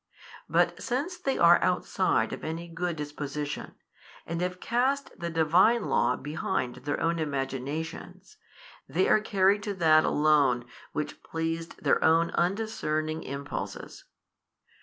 But since they are outside of any good disposition, and have cast the Divine Law behind their own imaginations, they are carried to that alone which pleased their own undiscerning impulses.